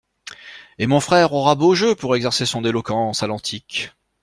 Et mon frère aura beau jeu pour exercer son éloquence à l'antique.